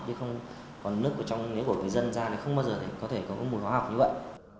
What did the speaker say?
chứ không còn nước ở trong nếu của người dân ra thì không bao giờ có thể có mùi hóa học như vậy